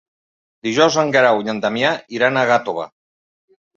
Dijous en Guerau i en Damià iran a Gàtova.